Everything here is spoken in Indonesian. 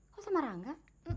kok sama rangga